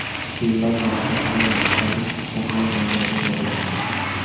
Team bus আসা-যাওয়ার সময় রাস্তায় অন্য যান চলাচল বন্ধ রাখা হবে।